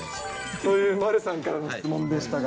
という丸さんからの質問でしたが。